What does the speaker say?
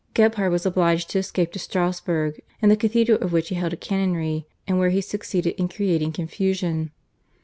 Gebhard was obliged to escape to Strassburg in the cathedral of which he held a canonry, and where he succeeded in creating confusion.